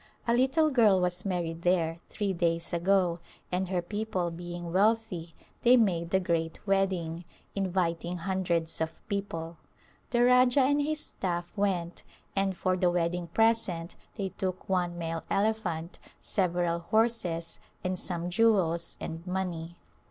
A little girl was married there three days ago, and her people being wealthy, they made a great wedding, inviting hundreds [ 208] Rettirji to Khetri of people. The Rajah and his staff went, and for the wedding present they took one male elephant, several horses, and some jewels and money.